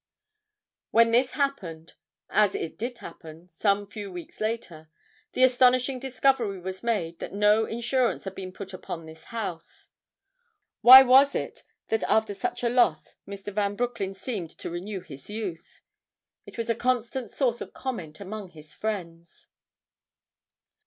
When this happened, as it did happen, some few weeks later, the astonishing discovery was made that no insurance had been put upon this house. Why was it that after such a loss Mr. Van Broecklyn seemed to renew his youth? It was a constant source of comment among his friends.